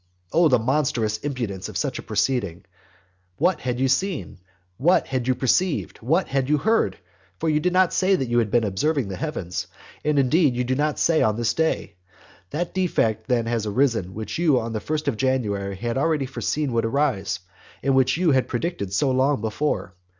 Oh the monstrous impudence of such a proceeding! What had you seen? what had you perceived? what had you heard? For you did not say that you had been observing the heavens, and indeed you do not say so this day. That defect then has arisen, which you on the first of January had already foreseen would arise, and which you had predicted so long before.